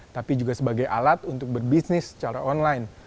tapi juga sebagai alat untuk berbisnis secara online